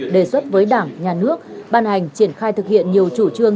đề xuất với đảng nhà nước ban hành triển khai thực hiện nhiều chủ trương